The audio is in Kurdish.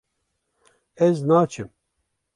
ez naçim